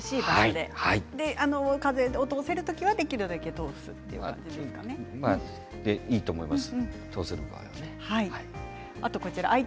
風を通せる時はできるだけ通すそれでいいと思います。